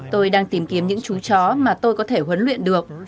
tôi đang tìm kiếm những chú chó mà tôi có thể huấn luyện được